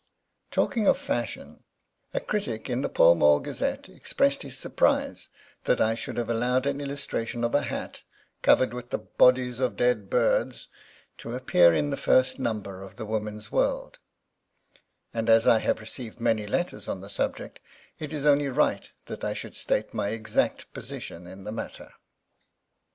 Talking of Fashion, a critic in the Pall Mall Gazelle expresses his surprise that I should have allowed an illustration of a hat, covered with “the bodies of dead birds,” to appear in the first number of the Woman’s World; and as I have received many letters on the subject, it is only right that I should state my exact position in the matter.